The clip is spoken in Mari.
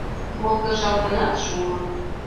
Волгыжалтынат шуо.